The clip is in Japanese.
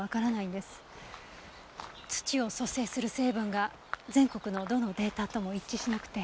土を組成する成分が全国のどのデータとも一致しなくて。